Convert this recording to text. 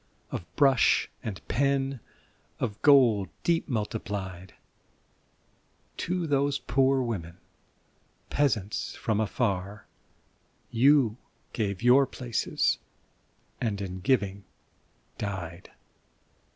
Of brush and pen, of gold deep multiplied, To those poor women, peasants from afar. You gave your places, and in giving died